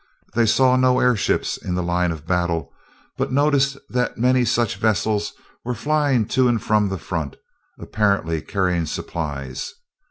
They saw no airships in the line of battle, but noticed that many such vessels were flying to and from the front, apparently carrying supplies.